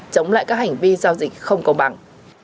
chống lại các hành vi giao dịch không công bằng